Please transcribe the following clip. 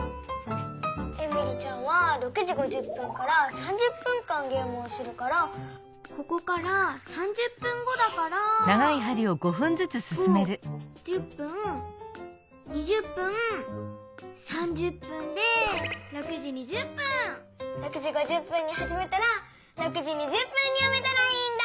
エミリちゃんは６時５０分から３０分間ゲームをするからここから３０分後だから５１０分２０分３０分で６時５０分にはじめたら６時２０分にやめたらいいんだ！